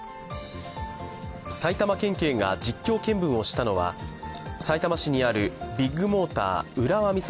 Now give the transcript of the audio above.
埼玉県警が実況見分をしたのはさいたま市にあるビッグモーター浦和美園